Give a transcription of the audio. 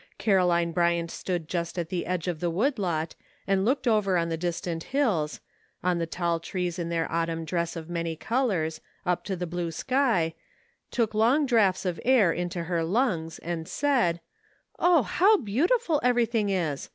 Caroline Bryant stood just at the edge of the wood lot and looked over on the distant hills — on the tall trees in their autumn dress of many colors, up to the blue sky, took long draughts of air into her lungs, and said, " Oh ! how beautiful every thing is.